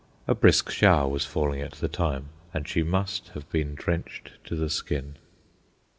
A brisk shower was falling at the time, and she must have been drenched to the skin.